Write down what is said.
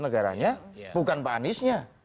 negaranya bukan pak aniesnya